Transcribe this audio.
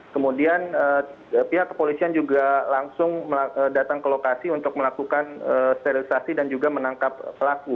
kemudian pihak kepolisian juga langsung datang ke lokasi untuk melakukan sterilisasi dan juga menangkap pelaku